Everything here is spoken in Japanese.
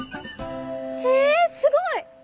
えすごい。